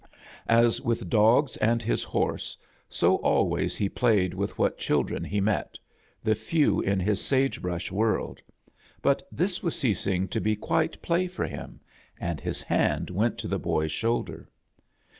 As with dogs and his horse, so always he played with what children he met — the few in his sage brush world; but this was ceasing to be quite A JOURNEY IN SEARCH OF CHRISTMAS play for hlm^ and his hand went to the boy's shoulder.